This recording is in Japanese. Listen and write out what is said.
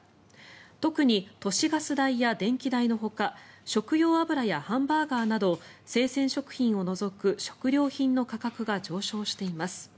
特に都市ガス代や電気代のほか食用油やハンバーガーなど生鮮食品を除く食料品の価格が上昇しています。